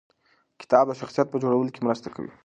کتاب د شخصیت په جوړولو کې مرسته کوي.